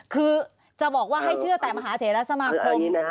คือจะบอกว่าให้เชื่อแต่มหาเถระสมาคม